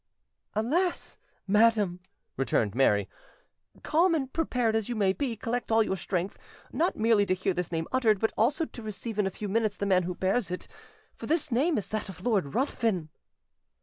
"Alas! madam," returned Mary, "calm and prepared as you may be, collect all your strength, not merely to hear this name uttered, but also to receive in a few minutes the man who bears it; for this name is that of Lord Ruthven."